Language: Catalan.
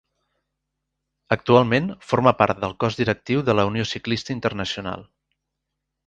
Actualment forma part del cos directiu de la Unió Ciclista Internacional.